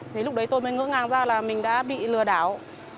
thì lúc đấy tôi mới ngỡ ngàng ra là mình đã bị lừa đảo